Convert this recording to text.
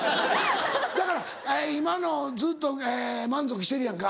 だから今のずっと満足してるやんか。